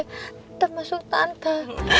tetep masuk tante